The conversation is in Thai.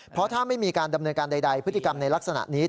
เพราะถ้าไม่มีการดำเนินการใดพฤติกรรมในลักษณะนี้